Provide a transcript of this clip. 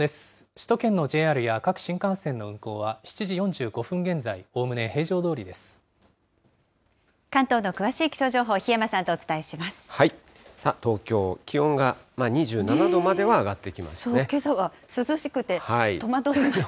首都圏のＪＲや各新幹線の運行は、７時４５分現在、おおむね平常ど関東の詳しい気象情報、檜山東京、気温が２７度までは上けさは涼しくて戸惑いました。